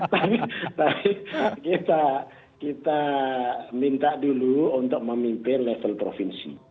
baik kita minta dulu untuk memimpin level provinsi